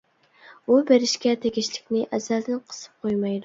ئۇ بېرىشكە تېگىشلىكىنى ئەزەلدىن قىسىپ قويمايدۇ.